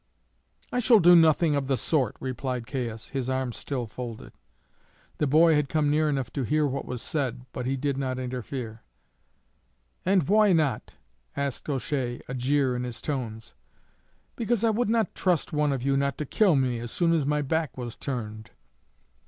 "I shall do nothing of the sort," replied Caius, his arms still folded. The boy had come near enough to hear what was said, but he did not interfere. "And why not?" asked O'Shea, a jeer in his tones. "Because I would not trust one of you not to kill me as soon as my back was turned."